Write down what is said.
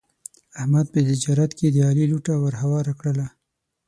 احمد په تجارت کې د علي لوټه ور هواره کړله.